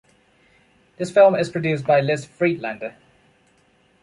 This film is produced by Liz Friedlander.